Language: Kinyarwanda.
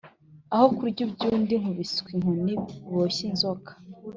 aho kurya iby' undi nkubiswe inkoni boshye inzoka.